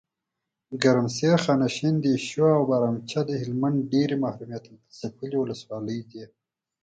ګرمسیر، خانشین، دیشو اوبهرامچه دهلمند ډیري محرومیت ځپلي ولسوالۍ دي .